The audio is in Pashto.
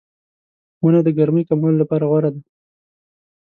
• ونه د ګرمۍ کمولو لپاره غوره ده.